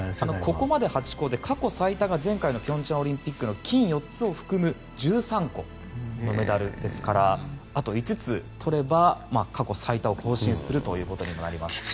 ここまで８個で過去最多が前回の平昌オリンピックの金４つを含む１３個のメダルですからあと５つ取れば過去最多を更新するということになります。